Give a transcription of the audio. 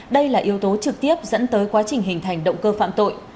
đây là yếu tố trực tiếp dẫn tới quá trình hình thành động cơ phạm tội